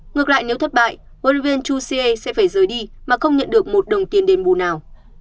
ngược lại nếu thất bại huấn luyện viên chusea sẽ phải rời đi mà không nhận được một đồng tiền đền bù nào